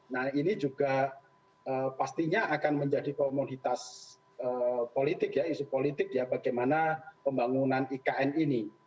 nah ini juga pastinya akan menjadi komoditas politik ya isu politik ya bagaimana pembangunan ikn ini